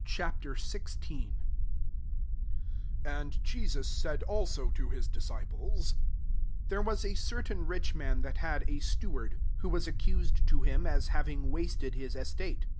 XVI. 1 AND Je^us said klao to Ms disciples, '* There v» a certain rich man that had istsirard ; who was accused to bim AS having wasted his estate.